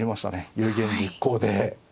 有言実行で。